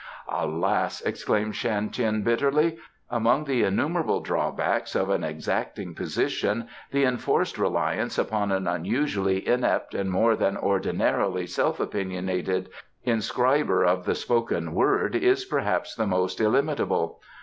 "Alas!" exclaimed Shan Tien bitterly, "among the innumerable drawbacks of an exacting position the enforced reliance upon an unusually inept and more than ordinarily self opinionated inscriber of the spoken word is perhaps the most illimitable.